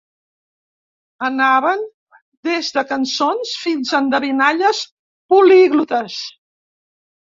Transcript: Anaven des de cançons fins a endevinalles poliglotes.